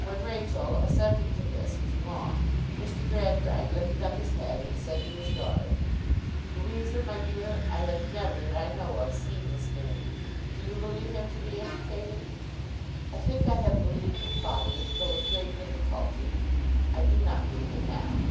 When Rachael, assenting to this, was gone, Mr. Gradgrind lifted up his head, and said to his daughter: 'Louisa, my dear, I have never, that I know of, seen this man. Do you believe him to be implicated?' 'I think I have believed it, father, though with great difficulty. I do not believe it now.